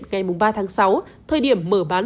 ngày ba tháng sáu thời điểm mở bán